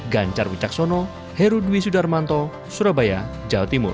ganjar wicaksono heru dwi sudarmanto surabaya jawa timur